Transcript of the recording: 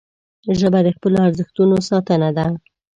ژبه د خپلو ارزښتونو ساتنه ده